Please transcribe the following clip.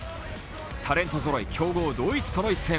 タレントぞろい、強豪ドイツとの一戦。